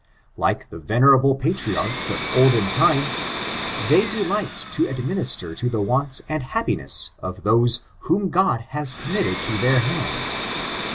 Like the venerable Patriarchs of olden lime, they delight to administer to the wants and happiness of those whom God has committed to their hands.